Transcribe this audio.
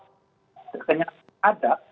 sekenyataan yang ada